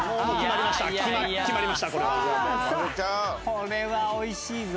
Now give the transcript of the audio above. これは美味しいぞ。